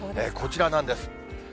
こちらなんです。